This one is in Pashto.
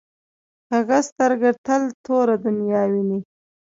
کوږه سترګه تل توره دنیا ویني